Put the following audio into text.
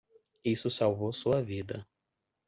Isso salvou sua vida.